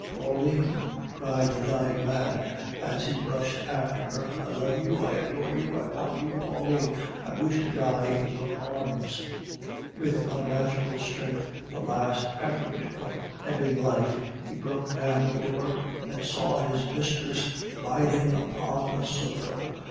Pauline!" cried the dying man, as he rushed after her; "I love you, I adore you, I want you, Pauline! I wish to die in your arms!" With unnatural strength, the last effort of ebbing life, he broke down the door, and saw his mistress writhing upon a sofa.